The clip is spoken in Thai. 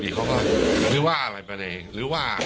ดีเขาก็หรือว่าอะไรไปในหรือว่า